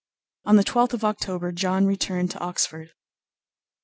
On the 12th of October John returned to Oxford.